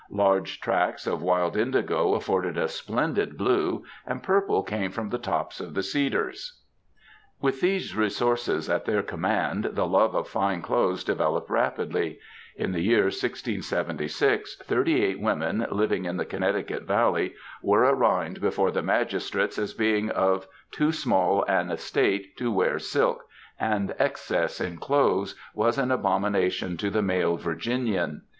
Large tracts of wild indigo afforded a splendid blue, and purple came from the tops of the cedars. With these resources at their command, the love of fine clothes developed rapidly. In the year 1676, thirty eight women, living in the Connecticut valley, were arraigned before the magistrates as being of too small an estate to wear silk, and *^ excess in clothes '*'* was an abomination to the male Virginian.